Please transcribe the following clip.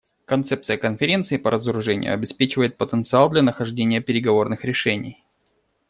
Концепция Конференции по разоружению обеспечивает потенциал для нахождения переговорных решений.